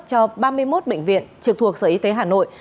cho ba mươi một bệnh viện trực thuộc sở y tế hà nội